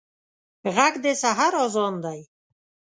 غږ د سحر اذان دی